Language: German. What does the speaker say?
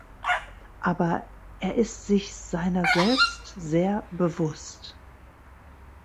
Aber er ist sich seiner selbst sehr bewusst.